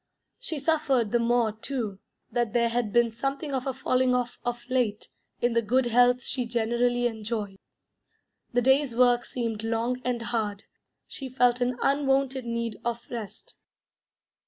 She suffered the more, too, that there had been something of a falling off of late in the good health she generally enjoyed. The day's work seemed long and hard; she felt an unwonted need of rest.